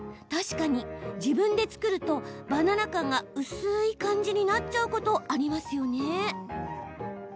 確かに自分で作るとバナナ感が薄い感じになっちゃうことありますよね。